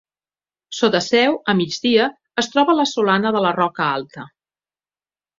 Sota seu, a migdia, es troba la Solana de la Roca Alta.